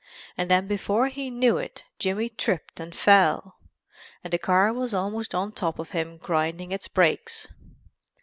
and then before he knew it Jimmy tripped and fell, and the car was almost on top of him grinding its brakes.